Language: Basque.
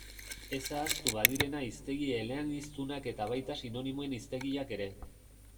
Ez ahaztu badirena hiztegi eleaniztunak eta baita sinonimoen hiztegiak ere.